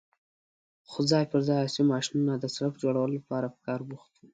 خو ځای پر ځای عصرې ماشينونه د سړک جوړولو لپاره په کار بوخت وو.